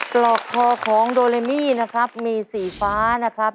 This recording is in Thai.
กรอกคอของโดเลมี่นะครับมีสีฟ้านะครับ